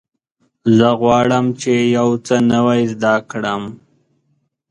زه غواړم چې یو څه نوی زده کړم.